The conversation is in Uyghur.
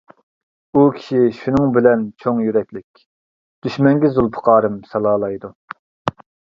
ئۇ كىشى شۇنىڭ بىلەن چوڭ يۈرەكلىك، دۈشمەنگە زۇلپىقارىم سالالايدۇ.